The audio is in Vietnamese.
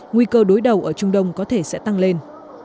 nguy cơ đối đầu ở trung đông có thể sẽ tăng lên